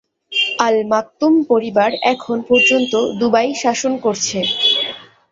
আল Maktoum পরিবার এখন পর্যন্ত দুবাই শাসন করছে।